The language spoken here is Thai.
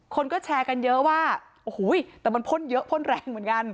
คนก็แชร์กันเยอะว่าโอ้โหแต่มันพ่นเยอะพ่นแรงเหมือนกัน